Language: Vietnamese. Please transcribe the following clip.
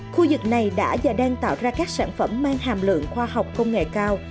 khu vực này đã và đang tạo ra các sản phẩm mang hàm lượng khoa học công nghệ cao